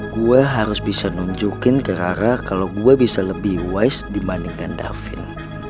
gue harus bisa nunjukin ke rara kalau gue bisa lebih wise dibandingkan david